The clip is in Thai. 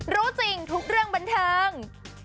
รู้จริงทุกเรื่องบันเทิง